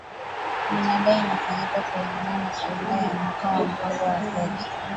minada inafanyika kulingana na kalenda ya mwaka ya mpango wa fedha